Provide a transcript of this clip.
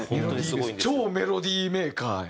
超メロディーメーカーや。